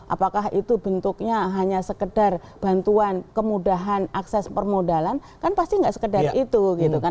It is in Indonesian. apakah itu bentuknya hanya sekedar bantuan kemudahan akses permodalan kan pasti nggak sekedar itu gitu kan